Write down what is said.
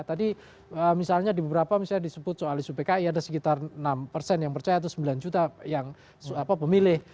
tadi misalnya di beberapa misalnya disebut soal isu pki ada sekitar enam persen yang percaya atau sembilan juta yang pemilih